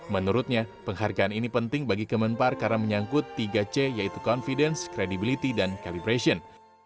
menurutnya penghargaan ini penting bagi kemenpar karena menyangkut tiga c yaitu confidence credibility dan calibration